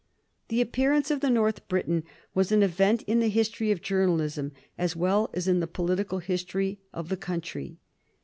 The appearance of the North Briton was an event in the history of journalism as well as in the political history of the country.